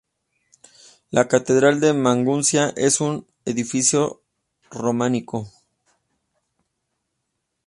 La catedral de Maguncia es un edificio románico.